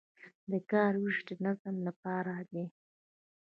د کار ویش د نظم لپاره دی